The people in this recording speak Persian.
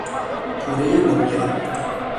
پورهی لوبیا